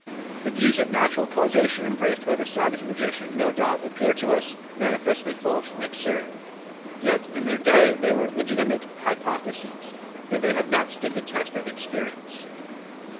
The views of natural causation embraced by the savage magician no doubt appear to us manifestly false and absurd; yet in their day they were legitimate hypotheses, though they have not stood the test of experience.